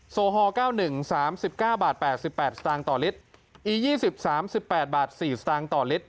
โซฮอล์เก้าหนึ่งสามสิบเก้าบาทแปดสิบแปดสตางต่อลิตรอียี่สิบสามสิบแปดบาทสี่สตางต่อลิตร